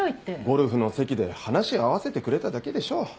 ゴルフの席で話合わせてくれただけでしょう。